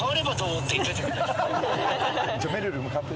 じゃあめるる代わって。